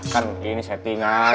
kan ini settingan